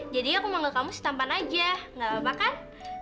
jadi aku manggil kamu si tampan aja gak apa apa kan